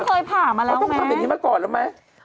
เขาต้องเคยผ่ามาแล้วไหมเขาต้องทำอย่างนี้มาก่อนแล้วไหม